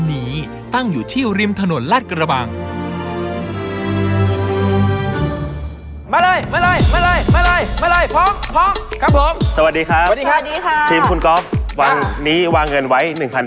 ที่หัวหน้าต้องลงอย่างนี้